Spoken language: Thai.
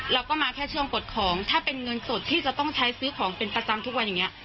เราก็มาแค่ช่วงกดของถ้าเป็นเงินสดที่จะต้องใช้ซื้อของเป็นประจำทุกวันอย่างนี้